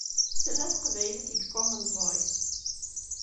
Tella teqbaylit deg Common Voice.